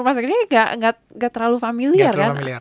rumah sakitnya gak terlalu familiar